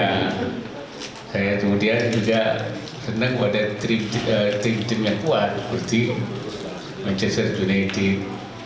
saya kemudian juga senang pada tim tim yang kuat seperti manchester united